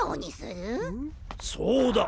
そうだ。